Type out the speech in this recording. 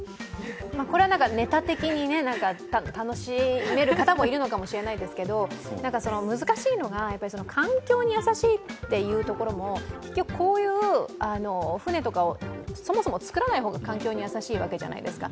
これはなんか、ネタ的に楽しめる方もいるのかもしれないですけど難しいのが、環境に優しいっていうところも結局こういう船とかをそもそも作らない方が環境に優しいわけじゃないですか。